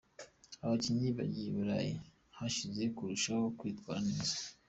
Abakinnyi bagiye i Burayi bahize kurushaho kwitwara neza.